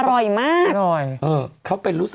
อร่อยมาก